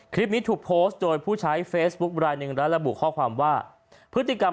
คลิปนี้ถูกโพสต์โดยผู้ใช้เฟซบุ๊คลายหนึ่งและระบุข้อความว่าพฤติกรรม